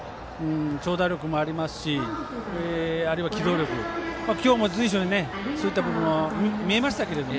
長打力もありますしあるいは機動力、今日も随所でそういった部分、見えましたが。